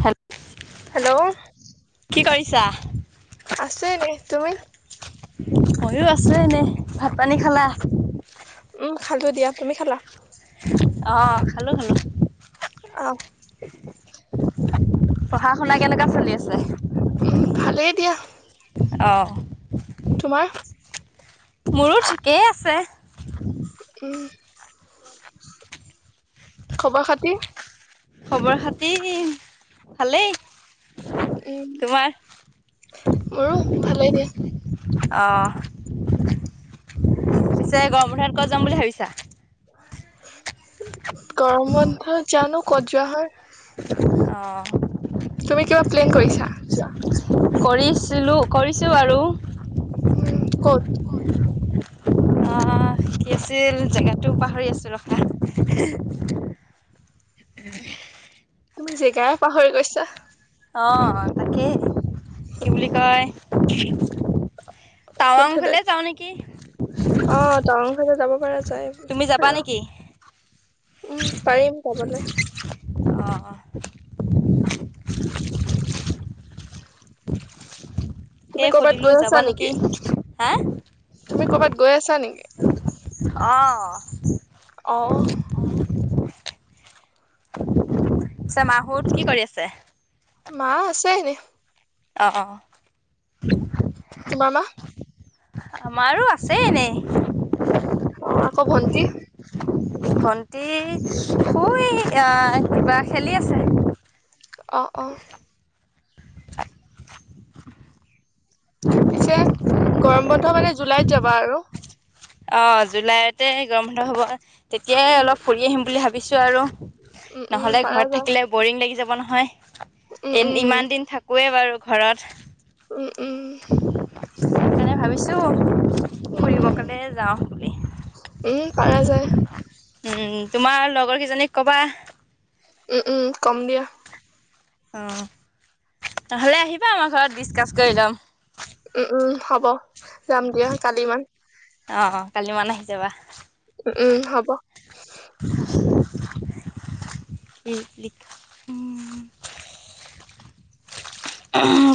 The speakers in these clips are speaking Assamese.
হেল্ল' হেল্ল' কি কৰিছা? আছো এনে তুমি। মইয়ো আছো এনেই। ভাত পানী খালা? উম খালো দিয়া তুমি খালা? অ খালো খালো। আহ। পঢ়া শুনা কেনেকুৱা চলি আছে, উম ভালেই দিয়া অ। উম। তোমাৰ মোৰো ঠিকেই আছে। উম খবৰ খাতিৰ? খবৰ খাতি ভালেই। উম তোমাৰ? মোৰো ভালেই দে। অহ পিছে গৰম বন্ধত ক'ত যাম বুলি ভাবিছা? [inaudible] গৰম বন্ধত জানো। ক'ত জোৱা হয়। অহ তুমি কিবা প্লেন কৰিছা যোৱা? কৰিছিলোঁ কৰিছোঁ আৰু। উম ক'ত? আহ কি আছিল জেগাটো পাহৰি আছো ৰখা। তুমি জেগাই পাহৰি গৈছা। অ তাকে কি বুলি কয়। টাৱাং কোনফালে, ফালে যাওঁ নেকি অ টাৱাং ফালে যাব যাই তুমি যাবা আৰু নেকি? উম পাৰিম যাবলে। অ অ তুমি সেই কৰ'বাত সুধিলো গৈ যাবা আছা নেকি? হা? তুমি কৰ'বাত গৈ আছা আছা নেকি? অ অহ মাহত কি কৰি আছে? মা আছে হে । অ অ তোমাৰ মা আমাৰো আছে এনেই। অ আকৌ ভণ্টি? ভণ্টি শুই আহ কিবা খেলি আছে। অ অ। পিছে। গৰম বন্ধ মানে জুলাইত যাবা আৰু। অ জুলাইতে গৰম বন্ধ হব। তেতিয়াই উম অলপ ফুৰি আহিম বুলি ভাবিছো আৰু উম উম নহলে পাৰা ঘৰত যায় থাকিলে বৰিং লাগি যাব। নহয় । উম এ ইমান দিন থাকোয়ে বাৰু। ঘৰত। উম উম সেইকাৰণে ভাবিছোঁ উম উম পাৰা যায়। উম তোমাৰ লগৰ কেইজনীক কবা। উম উম কম দিয়া। অ নহ'লে আহিবা আমাৰ ঘৰত ডিচকাছ কৰি ল'ম। উম উম হ'ব। যাম দিয়া কালি মান। অ অ কালি মান আহি যাবা। উম উম হব।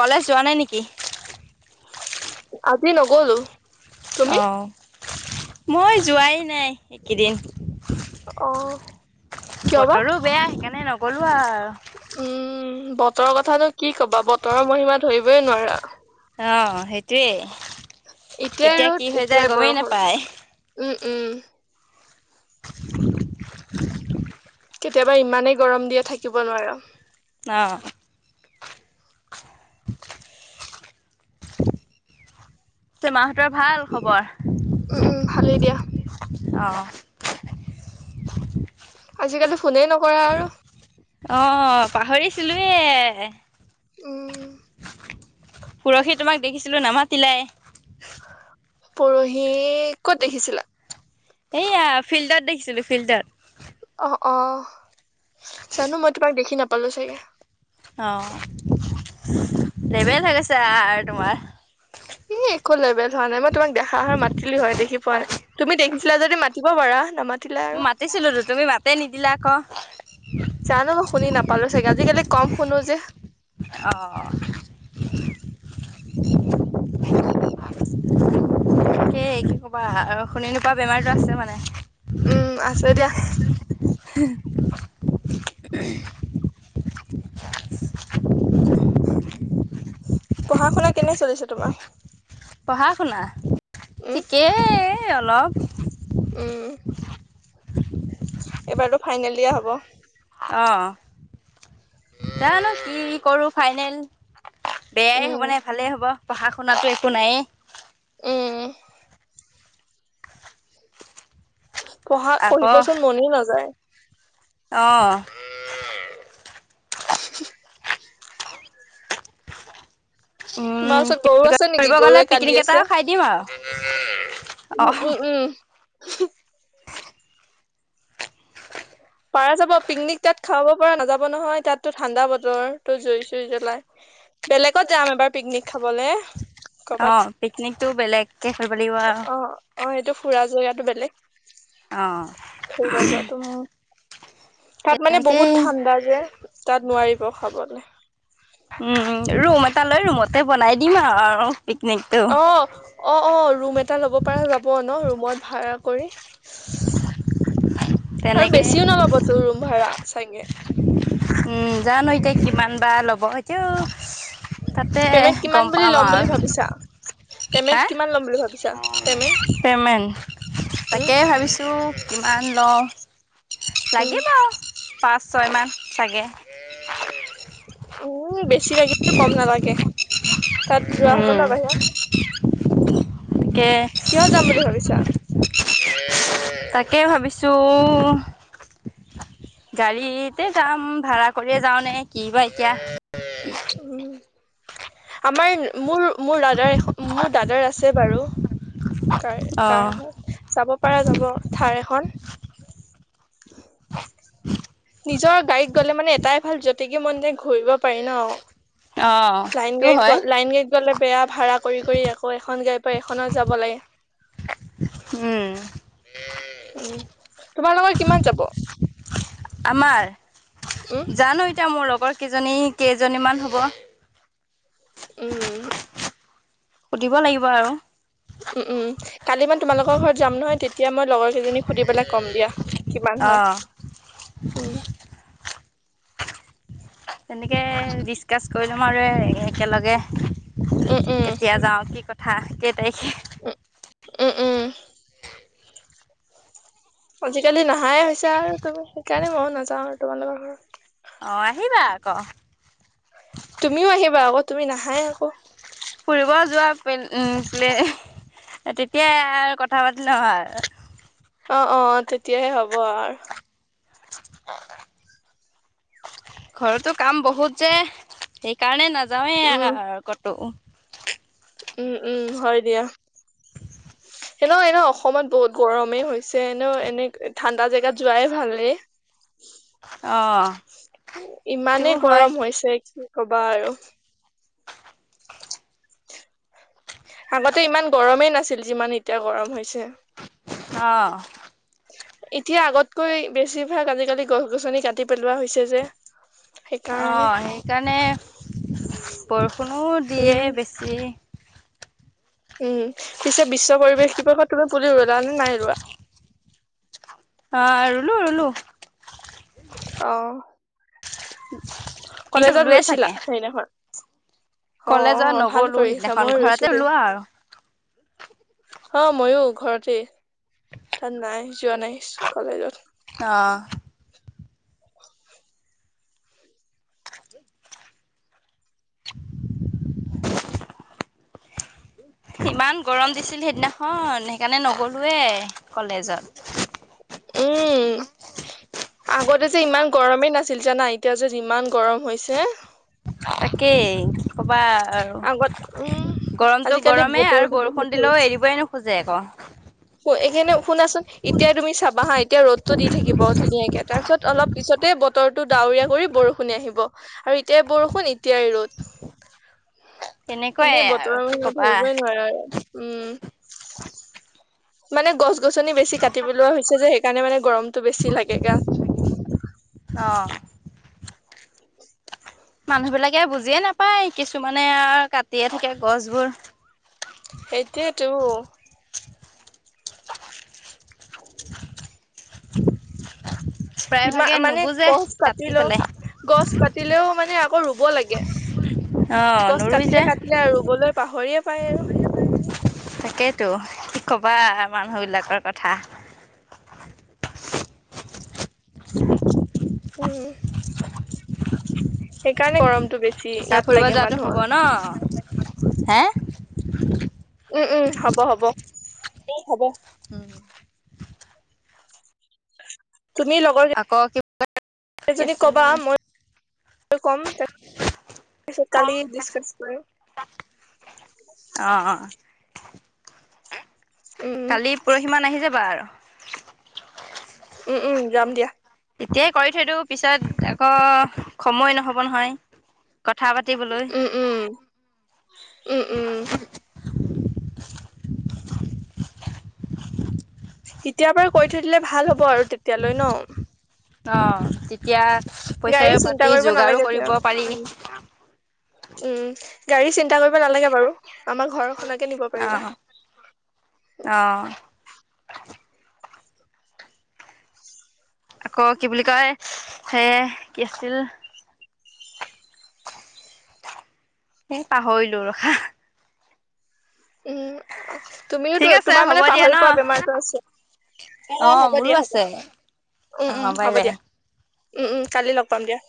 কলেজ যোৱা নাই নেকি। আজি নগ'লো। অ। তুমি মই যোৱাই নাই এইকেইদিন। অ। কিয় বা বতৰো বেয়া সেইকাৰণে ন। গলো আও। উম [unintelligible] বতৰৰ কথাটো কি ক'বা। বতৰৰ মহিমা ধৰিবই নোৱাৰা অ' সেইটোৱে এতিয়াই কেতিয়া কি ৰ'দ হৈ যায় এতিয়াই গমেই বৰষুণ নাপায় উম। উম। [unintelligible] [unintelligible] কেতিয়াবা ইমানেই গৰম দিয়ে থাকিব নোৱাৰো। অ। চ মাহতৰ ভাল খবৰ। উম উম ভালেই দিয়া। অ। আজিকালি। ফোনেই নকৰা আৰু অ পাহৰিছ। চিলুৱে। উম। পৰহি তোমাক দেখিছিলো নামাতিলাই। পৰহি কত দেখিছিলা। এইয়া ফিল্ডত দেখিছিলো ফিল্ডত। অ অ জানো মই তোমাক দেখি নাপালো চাগে। অ লেবেল হৈ গৈছে আৰু তোমাৰ। উম একো লেভেল। হোৱা নাই মই তোমাক দেখা হয় মাতলো হয় দেখি পোৱা মই নাই তুমি দেখিছিলা যদি মা। কিব বৰা নামাতি। মাতিছিলো তুমি মাতেই নিদিলা ক জানো মই শুনি নাপালো চাগে আজিকালি কম শুনো যে অহ। উ। [unintelligible] তাকেই কি ক'বা শুনি নোপোৱা বেমাৰো আছে মানে। উম আছে দিয়া হে হি উমহ অ [inaudible] পঢ়া শুনা কেনে চলিছে তোমাৰ পঢ়া শুনা উম ঠিকে এ এ অলপ উম এইবাৰ টো ফাইনেল দিয়া হ'ব অ জানো কি কৰোঁ ফাইনেল বেয়াই উম হ'ব নে ভালে হ'ব পঢ়াক শুনাটো একো নায়ে উম পঢ়া পঢ়িবচোন মনে নাযায় অ [inaudible] অহ তোমাৰ উম, ওচৰত কি গৰু বুলি আছে নেকি গৰুৱে কান্দি আছে মে [unintelligible] উম উম উম হোম পাৰা যাব পিকনিক তাত খাব পৰা নাযাব নহয় তাত টো ঠাণ্ডা বতৰ তো জুই চুই জ্বলাই বেলেগত যাম এবাৰ পিকনিক খাবলে অ কৰ'বাত পিকনিক টো বেলেগ কে অ অ এইটো ফুৰা জয়াটো বেলেগ অহ, ফুৰিব যোৱাটো উম উমহ তাত মানে বহুত ঠাণ্ডা যে তাত নোৱাৰিব খাবলে উম উম ৰুম তা লৈ ৰুমতে বনাই দিম আৱ অ অ অ ৰুম এটা ল'ব পাৰা যাব ন মত ভাড়া কৰি আৰু তেনেকে বেছিও নলব তো ৰুম ভাড়া চাগে উম জানো এতিয়া কিমান বা ল'ব সেইটো পেমেন্ট কিমান বুলি লম বুলি আৰু ভাবিছা? পেমেন্ট হা কিমান লম বুলি ভাবি পেমেণ্ট উম তাকে ভাবিছোঁ ও কিমান লওঁ। উম লাগিব পাঁচ ছয়মান চাগে। [unintelligible] উম বেছি লাগিলেও কম নালাগে। তাত যোৱা হব ন উম বাহিৰত? তাকে কিয় যাম বুলি ভাবিছা? তাকেই ভাবিছোঁ। গাড়ীতে যাম। ভাড়া কৰিয়ে যাও নে কি বা এতিয়া। উম, আমাৰ মোৰ মোৰ দাদাৰ এখ মোৰ দাদাৰ আছে বাৰু। কাৰ অ কাৰ হয়, যাব পাৰা যাব থাৰ এখন। [inaudible] নিজৰ গাড়ীত গ'লে মানে এটাই ভাল, গতিকে মন যায় ঘুৰিব পাৰি ন। অ লাইন সেইটো গাড়ীত হয় গ লাইন গাড়ীত গলে বেয়া ভাড়া কৰি কৰি আকৌ এখন গাড়ীত এখনত যাব লাগে। উঁম। উঁম। তোমাৰ লগৰ কিমান যাব? আমাৰ? উম জানো এতিয়া মোৰ ল গৰ কিজনী কেইজনীমান হ'ব। উম। সুধিব লাগিব আৰু। উম উম কালি মানে তোমালোকৰ ঘৰত যাম নহয়, তেতিয়া মই লগৰ কেইজনী সুধি পেলাই কম দিয়া কিমান অ হয়। উম। তেনেকে ডিচকাচ কৰি লম আৰু একেলগে উম উম কেতিয়া যাও? কি কথা। কে তাৰিখে উম, উম উম। আজিকালি নাহ নাহাই হৈছা আৰু তুমি, সেইকাৰণে মইয়ো নাযাওঁ আৰু তোমালোকৰ ঘৰ। আহ আহিবা আক। তুমিও আহিবা আকৌ তুমি নাহাই আক'। ফুৰিব যোৱা পেল্ প্লে তেতিয়াই আৰু কথা পাতি লম আৰু। অ অ তেতিয়াহে হ'ব আৰু। [inaudible] ঘৰতো কাম বহুত যে সেই কাৰণে ন নাযাওঁৱেই উম আৰু ক'তো [unintelligible] উম উম হয় দিয়া। হে ন এনেও অসমত বহুত গৰমেই হৈছে। এনেও এনে ঠাণ্ডা জেগাত যোৱাই ভালেই। অ' সিও ইমানেই হয় গৰম হৈছে কি? ক'বা আৰু আগতে ইমান গৰমেই নাছিল যিমান এতিয়া গৰম হৈছে। অহ এতিয়া আগতকৈ বেছিভাগ আজিকালি গছ গছনি কাটি পেলোৱা হৈছে যে। অ' সেইকাৰণে সেইকাৰণে বৰষুণো দিয়ে উম বেছি। উম পিছে বিশ্ব পৰিৱেশ দিৱসত কিবা পুলি ৰুলা নে নাই ৰোৱা? অ 'ৰুলো ৰুলো। অ' পিছে কলেজত ৰুলোৱে গৈছিলা চাগে সেইদিনাখন। অ কলেজত অ ভাল নগ'লো। কৰিছা সিদিনাখন মই ৰুইছো ঘৰতে দেই ওলোৱা আৰু অ' ময়ো ঘৰতে ত নাই যোৱা নাই কলেজত। আহ ইমান গৰম দিছিল সেইদিনাখন সেইকাৰণে নগ'লোৱে কলেজত। উম আগতে যে ইমান গৰমেই নাছিল জানা। এতিয়া যে যিমান গৰম হৈছে। তাকেই। ক'বা আৰু আগত উম গৰমটো আজিকালি গৰমেই আৰু বতৰটো বহুত বৰষুণ দিলেও এৰিবই নোখোজে আকৌ। [unintelligible] এইখিনি শুনাচোন এতিয় তুমি চাবা হা। এতিয়া ৰ'দটো দি থাকিব। ধুনীয়াকে তাৰপিছত অলপ পিছতে বতৰটো ডাৱৰীয়া কৰি বৰষুণে আহিব আৰু এতিয়াই বৰষুণ এতিয়াই ৰ'দ। তেনেকুৱাই মানে আৰু বতৰৰ কি মত ক'বা ধৰিবৈ নোৱাৰা আৰু উম মানে গছ গছ গছনি বেছি কাটি পেলোৱা হৈছে। সেই কাৰণে মানে গৰমতটো বেছি লাগে গাত। আহ মানুহ বিলাকে বুজিয়ে নাপায় কিছুমানে আৰু কাটিয়ে থাকে গছবোৰ সেইটোয়েতো [inaudible] প্ৰায় কিমান ভাগে মানে নুবুজে গছ কাটি কাটিলেও পেলাই গছ পাতিলেও মানে আকৌ ৰুব লাগে। অ গছ নৰুই যে কাটিলে কাটিলে আৰু ৰুবলৈ পাহৰিয়ে। আৰু তাকেইতো কি কবা মানুহ বিলাকৰ কথা। [unintelligible] উম সেইকাৰণে গৰমটো বেছি। পিছে গাত ফুৰিব লাগে যোৱাটো মানুহৰ হব ন? হে [unintelligible] উম উম হ'ব হ'ব উম হ'ব। উম তুমি লগৰ আকৌ কি কি কেইজনীক আছিল কবা মই কম কালি ডিচকাছ কৰিম। অ অ উম কালি পৰহি মান আহি যাবা আৰু। উম উম যাম দিয়া। এতিয়াই কৰি থৈ দিওঁ পিছত আকৌ সময় নহ'ব নহয়। কথা পাতিবলৈ উম উম উম উম। এতিয়াৰ পৰা কৈ থৈ দিলে ভাল হ'ব আৰু তেতিয়ালৈ ন? অ তেতিয়া পইচাই গাড়ী চিন্তা পাতি কৰিব যোগাৰো নালাগে দে কৰিব পাৰি উম উম। গাড়ী চিন্তা কৰি নালাগে বাৰু, আমাৰ ঘৰ খনকে নিব অ পাৰিবা। অ আকৌ কি বুলি কয় সে কি আছিল, এ পাহৰিলো ৰখা উম তুমিও ঠিক আছে তোমাৰ হ'ব মানে দিয়া ন পাহৰি পোৱা বেমাৰটো আছে। অ হ'ব মোৰো দিয়া হ'ব আছে অ উম উম বাই হ'ব বাই দিয়া। উম উম কালি লগ পাম দিয়া।